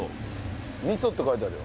味噌って書いてあるよ。